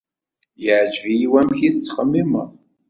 Yeɛjeb-iyi wamek ay tettxemmimeḍ.